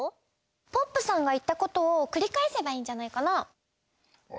ポップさんがいったことをくりかえせばいいんじゃないかなあ？